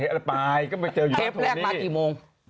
เทอะไรไปก็ไม่เจออยู่กับโทนี่เทปแรกมากี่โมง